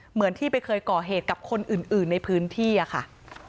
เหมือนที่ไปเคยก่อเหตุกับคนอื่นในพื้นที่ค่ะ